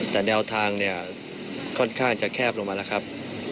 แต่แนวทางเนี่ยค่อนข้างจะแคบลงมาแล้วครับ